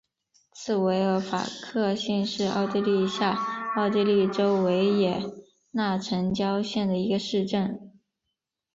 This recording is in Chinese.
茨韦尔法克兴是奥地利下奥地利州维也纳城郊县的一个市镇。